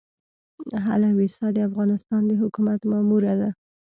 هيله ويسا د افغانستان د حکومت ماموره ده.